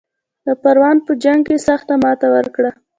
د پروان په جنګ کې سخته ماته ورکړه.